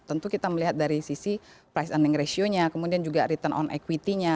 tentu kita melihat dari sisi price ending ratio nya kemudian juga return on equity nya